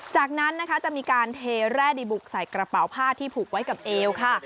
จากนั้นนะคะจะมีการเทแร่ดีบุกใส่กระเป๋าผ้าที่ผูกไว้กับเอวค่ะ